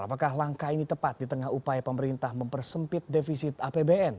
apakah langkah ini tepat di tengah upaya pemerintah mempersempit defisit apbn